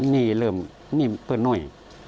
นี่เริ่มนี่เปลือนหน่วย